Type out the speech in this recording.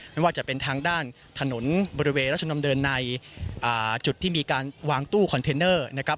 ไม่ว่าจะเป็นทางด้านถนนบริเวณรัชดำเนินในจุดที่มีการวางตู้คอนเทนเนอร์นะครับ